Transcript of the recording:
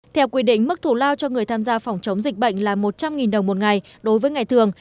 theo quy định mức thủ lao cho người tham gia phòng chống dịch bệnh là một trăm linh đồng một ngày đối với ngày thường